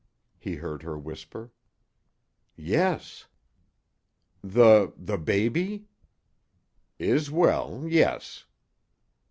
he heard her whisper. "Yes." "The the baby?" "Is well yes."